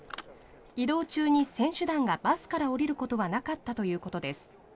移動中に選手団がバスから降りることはなかったということです。